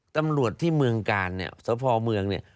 ตำรวจที่เมืองกาลเนี่ยสพเมืองเนี่ย